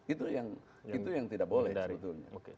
itu yang tidak boleh sebetulnya